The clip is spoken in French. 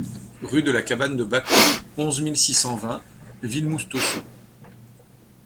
Rue de la Cabane de Bacou, onze mille six cent vingt Villemoustaussou